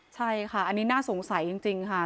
ใช่ค่ะอันนี้น่าสงสัยจริงค่ะ